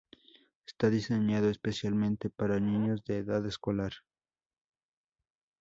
Está diseñado especialmente para niños en edad escolar.